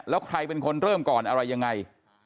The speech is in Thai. แล้วใครเป็นคนเริ่มก่อนอะไรยังไง